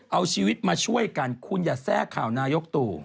เอาชีวิตมาช่วยกันคุณอย่าแทรกข่าวนายกตู่